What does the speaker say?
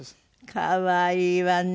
可愛いわね。